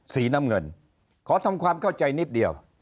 สีน้ำเงินขอทำความเข้าใจนิดเดียว